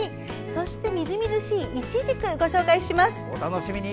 そして、みずみずしいいちじくご紹介します。